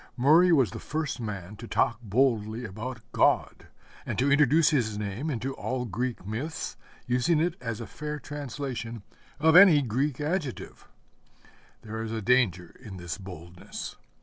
Murray was the first man to talk boldly about God, and to introduce his name into all Greek myths, using it as a fair translation of any Greek adjective. There is a danger in this boldness.